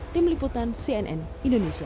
tim liputan cnn indonesia